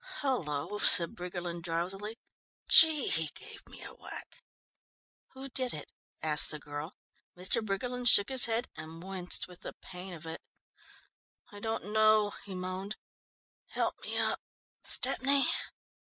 "Hullo," said Briggerland drowsily, "Gee, he gave me a whack!" "Who did it?" asked the girl. Mr. Briggerland shook his head and winced with the pain of it. "I don't know," he moaned. "Help me up, Stepney."